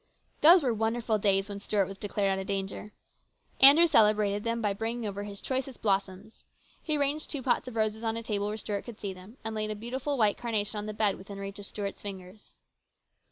Those were wonderful days when Stuart was declared out of danger. Andrew celebrated them by bringing over his choicest blossoms. He ranged two pots of roses on a table where Stuart could see them, and laid a beautiful white carnation on the bed within reach of Stuart's fingers.